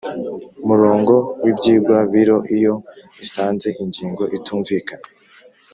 murongo w ibyigwa Biro iyo isanze ingingo itumvikana